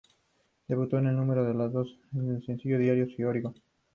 Debutó en el número dos en la lista de sencillos diarios de Oricon.